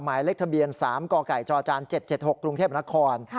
หมายเลขทะเบียน๓กไก่จจ๗๗๖กรุงเทพนคร